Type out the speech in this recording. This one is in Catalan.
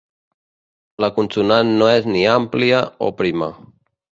La consonant no és ni àmplia o prima.